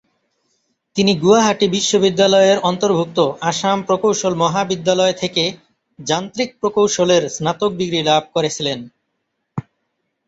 তিনি গুয়াহাটি বিশ্ববিদ্যালয়ের অন্তর্ভুক্ত আসাম প্রকৌশল মহাবিদ্যালয় থেকে যান্ত্রিক প্রকৌশলের স্নাতক ডিগ্রী লাভ করেছিলেন।